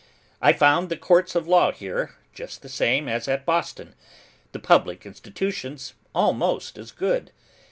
I found the courts of law here, just the same as at Boston; the public institutions almost as good.